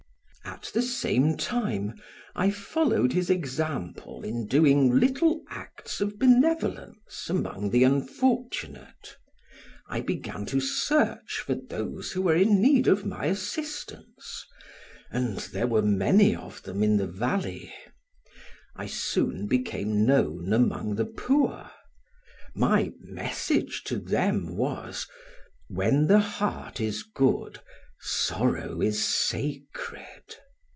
At the same time, I followed his example in doing little acts of benevolence among the unfortunate. I began to search for those who were in need of my assistance, and there were many of them in the valley. I soon became known among the poor; my message to them was: "When the heart is good, sorrow is sacred!"